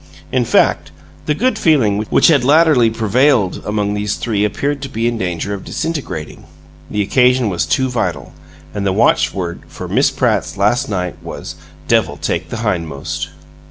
In fact, the good feeling which had latterly prevailed among these three appeared to be in danger of disintegrating. The occasion was too vital; and the watchword for "Miss Pratt's last night" was Devil Take the Hindmost!